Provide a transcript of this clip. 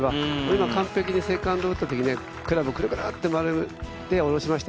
今、完璧にセカンド打ったときにクラブ、くるくるっと回して下ろしました。